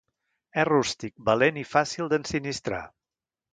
És rústic, valent i fàcil d'ensinistrar.